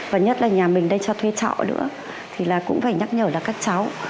và nhất là nhà mình đây cho thuê trọ nữa thì cũng phải nhắc nhở là các cháu